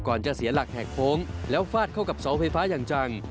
จะเสียหลักแหกโค้งแล้วฟาดเข้ากับเสาไฟฟ้าอย่างจัง